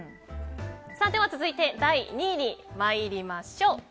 では続いて第２位に参りましょう。